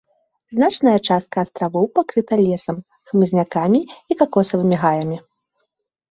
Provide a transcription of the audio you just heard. Значная частка астравоў пакрыта лесам, хмызнякамі і какосавымі гаямі.